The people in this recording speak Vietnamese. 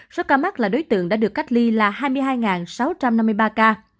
số ca mắc là đối tượng đã được cách ly là hai mươi hai sáu trăm năm mươi ba ca